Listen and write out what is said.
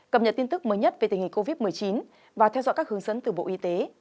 cập nhật tin tức mới nhất về tình hình covid một mươi chín và theo dõi các hướng dẫn từ bộ y tế